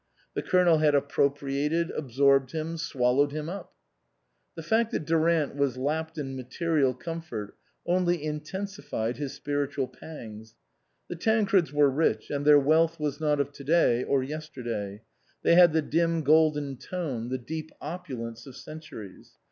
The Colonel had appropriated, absorbed him, swallowed him up. The fact that Durant was lapped in material comfort only intensified his spiritual pangs. The Tancreds were rich, and their wealth was not of to day or yesterday ; they had the dim golden tone, the deep opulence of centuries.